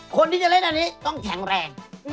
คนที่จะเล่นอันนี้ต้องแข็งแรง